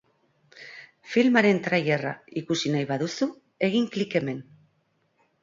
Filmaren trailerra ikusi nahi baduzu, egin klik hemen.